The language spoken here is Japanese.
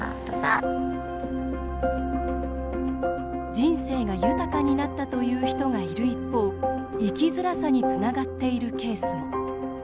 人生が豊かになったという人がいる一方生きづらさにつながっているケースも。